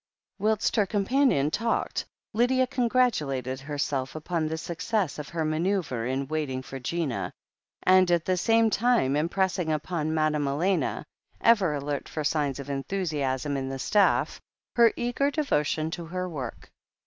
Whilst her companion talked, Lydia congratulated herself upon the success of her manoeuvre in waiting for Gina, and at the same time impressing upon Madame Elena, ever alert for signs of enthusiasm in the staff, her eager devotion to her work.